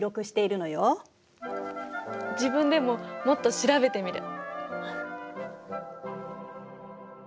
自分でももっと調べてみる。